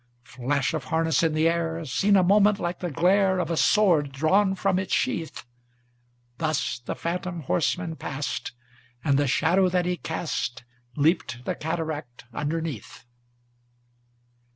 Flash of harness in the air, Seen a moment like the glare Of a sword drawn from its sheath; Thus the phantom horseman passed, And the shadow that he cast Leaped the cataract underneath.